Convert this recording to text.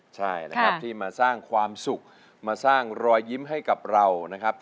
ใช่นะครับที่มาสร้างความสุขมาสร้างรอยยิ้มให้กับเรานะครับ